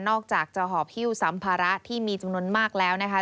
อกจากจะหอบฮิ้วสัมภาระที่มีจำนวนมากแล้วนะคะ